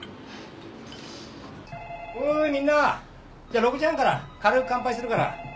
おいみんなじゃ６時半から軽く乾杯するから。